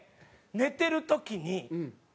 寝てる時。